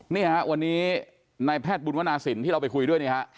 นี่ฮะวันนี้นายแพทย์บุญวนาศิลป์ที่เราไปคุยด้วยนี่ฮะ